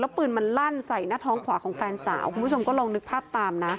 ปืนมันลั่นใส่หน้าท้องขวาของแฟนสาวคุณผู้ชมก็ลองนึกภาพตามนะ